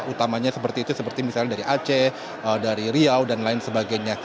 utamanya seperti itu seperti misalnya dari aceh dari riau dan lain sebagainya